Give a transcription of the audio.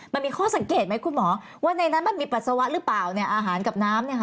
มันมีข้อสังเกตไหมคุณหมอว่าในนั้นมันมีปัสสาวะหรือเปล่าเนี่ยอาหารกับน้ำเนี่ยค่ะ